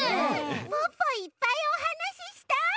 ポッポいっぱいおはなししたい！